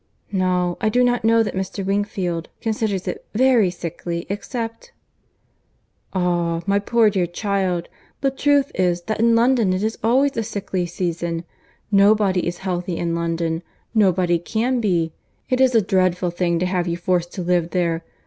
"No, I do not know that Mr. Wingfield considers it very sickly except— "Ah! my poor dear child, the truth is, that in London it is always a sickly season. Nobody is healthy in London, nobody can be. It is a dreadful thing to have you forced to live there!